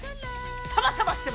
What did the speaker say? サバサバしてます！